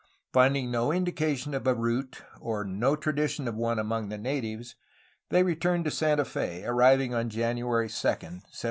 Finding no indica tions of a route or no tradition of one among the natives, they returned to Santa Fe, arriving on January 2, 1777.